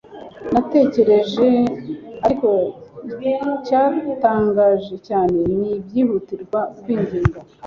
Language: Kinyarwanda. natekereje. ariko icyantangaje cyane ni byihutirwa, kwinginga